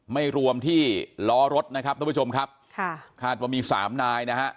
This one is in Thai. ไม่รวมที่ล้อรถนะครับทุกผู้ชมครับค่ะคาดว่ามีสามนายนะฮะ